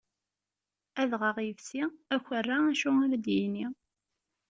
Adɣaɣ ifsi, akerra acu ar ad yini.